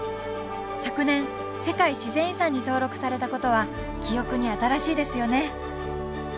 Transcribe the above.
昨年世界自然遺産に登録されたことは記憶に新しいですよね